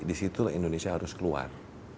di situ indonesia harus keluar